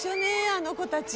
あの子たち。